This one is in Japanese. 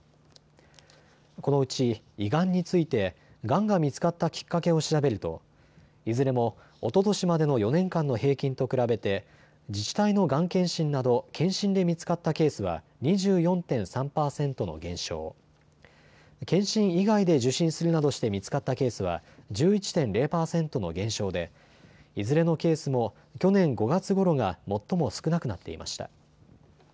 このうち胃がんについてがんが見つかったきっかけを調べるといずれも、おととしまでの４年間の平均と比べて自治体のがん検診など検診で見つかったケースは２４．３％の減少、検診以外で受診するなどして見つかったケースは１１．０％の減少で、いずれのケースも去年５月ごろが最も少なくなっていました。